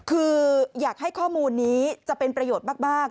คืออยากให้ข้อมูลนี้จะเป็นประโยชน์มาก